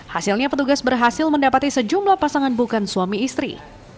hasilnya petugas berhasil mendapati sejumlah pasangan bukan suami istri